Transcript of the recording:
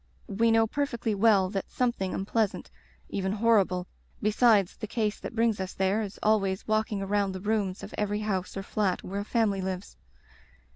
We know perfectly well that something unpleasant — even hor rible — besides the case that brings us there, is always walking around the rooms of every house or flat where a family lives.